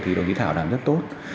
thì đồng chí thảo đảm rất tốt